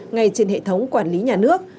ngay trên hệ thống quản lý nhà nước